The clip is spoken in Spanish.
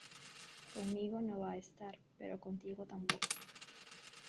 conmigo no va a estar, pero contigo tampoco.